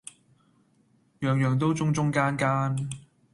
樣樣都中中間間